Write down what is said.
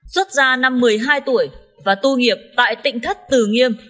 xuất ra năm một mươi hai tuổi và tu nghiệp tại tỉnh thất từ nghiêm